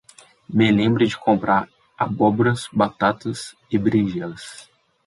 Me lembre de comprar abóboras, batatas e beringelas